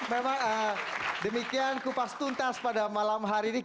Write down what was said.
memang demikian kupas tuntas pada malam hari ini